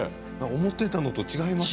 思っていたのと違いましたね。